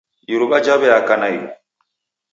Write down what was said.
Iruwa jaweaka naighu.